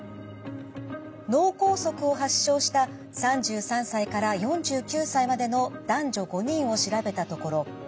脳梗塞を発症した３３歳から４９歳までの男女５人を調べたところ